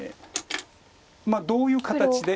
まあどういう形で。